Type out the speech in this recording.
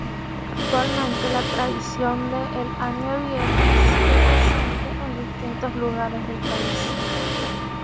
Actualmente la tradición de el "año viejo" sigue presente en distintos lugares del país.